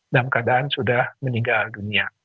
dalam keadaan sudah meninggal dunia